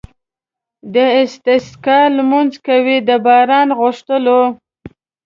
د استسقا لمونځ کوي د باران غوښتلو.